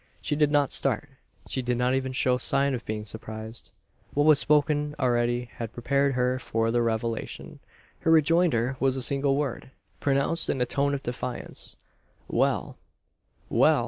She did not start. She did not even show sign of being surprised. What was spoken already had prepared her for the revelation. Her rejoinder was a single word, pronounced in a tone of defiance. "Well!" "Well!"